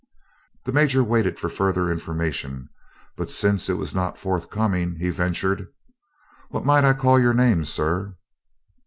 The Major waited for further information, but since it was not forthcoming he ventured: "What might I call your name, sir?"